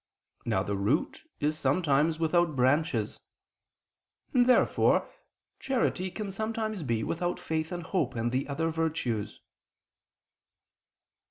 Now the root is sometimes without branches. Therefore charity can sometimes be without faith and hope, and the other virtues.